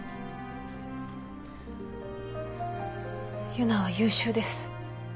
佑奈は優秀です。